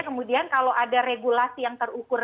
kemudian kalau ada regulasi yang terukur